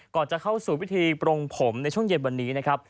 ก่อนจะเข้าสู่พิธีปรงผมในช่วงเย็นวันนี้นะครับ